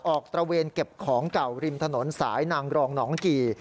ตระเวนเก็บของเก่าริมถนนสายนางรองหนองกี่